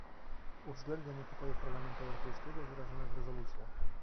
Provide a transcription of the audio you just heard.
Uwzględnia niepokoje Parlamentu Europejskiego wyrażone w rezolucjach